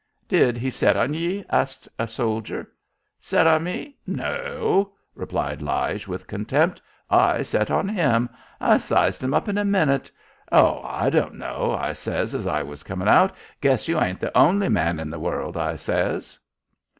"Did he set on ye?" asked a soldier. "Set on me? No," replied Lige, with contempt "I set on him. I sized 'im up in a minute. 'Oh, I don't know,' I says, as I was comin' out; 'guess you ain't the only man in the world,' I says."